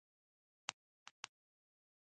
کوښښ به یې کاوه پرته له وینې توېدنې.